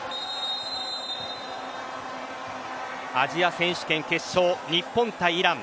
選手権決勝日本対イラン。